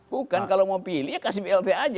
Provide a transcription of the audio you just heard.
bukan kalau mau pilih ya kasih blt aja